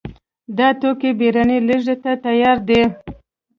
دا توکي بېړنۍ لېږد ته تیار دي.